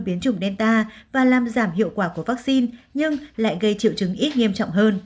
biến chủng delta và làm giảm hiệu quả của vaccine nhưng lại gây triệu chứng ít nghiêm trọng hơn